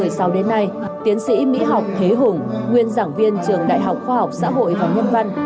từ năm hai nghìn một mươi sáu đến nay tiến sĩ mỹ học thế hùng nguyên giảng viên trường đại học khoa học xã hội và nhân văn